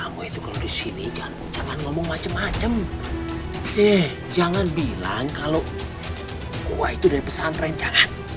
eh kamu itu kalau disini jangan ngomong macem macem eh jangan bilang kalau gua itu dari pesantren jangan